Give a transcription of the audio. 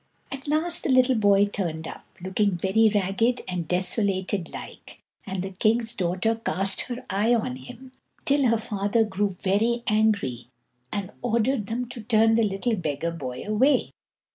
At last the little boy turned up, looking very ragged and desolated like, and the king's daughter cast her eye on him, till her father grew very angry and ordered them to turn the little beggar boy away.